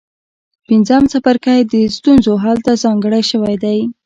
پنځم څپرکی د ستونزو حل ته ځانګړی شوی دی.